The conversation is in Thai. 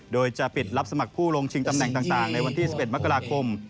โดยจะปิดรับสมัครผู้ลงชิงตำแหน่งต่างในวันที่๑๑มกราคม